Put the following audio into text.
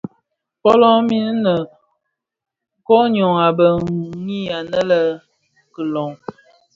Fölö min, koň йyô a bë ňwi anë bi kilon.